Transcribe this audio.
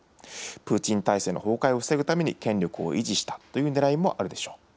プーチン体制の崩壊を防ぐために権力を維持したというねらいもあるでしょう。